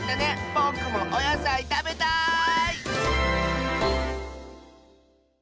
ぼくもおやさいたべたい！